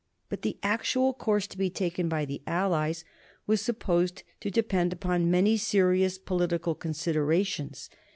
But the actual course to be taken by the allies was supposed to depend upon many serious political considerations.